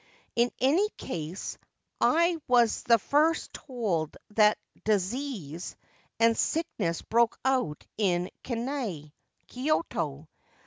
In any case, I was first told that disease and sickness broke out in Kinai (Kyoto).